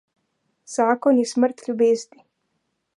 Zakon je smrt ljubezni.